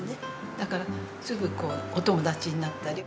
だからすぐお友達になったり。